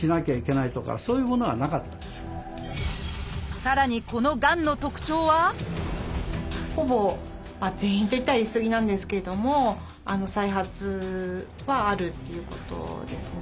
さらにこのがんの特徴は「ほぼ全員」と言ったら言い過ぎなんですけれども再発はあるっていうことですね。